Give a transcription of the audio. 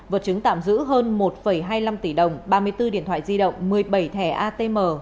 vật chứng tạm giữ hơn một hai mươi năm tỷ đồng ba mươi bốn điện thoại di động một mươi bảy thẻ atm